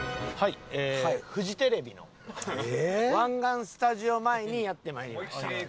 フジテレビの湾岸スタジオ前にやってまいりました。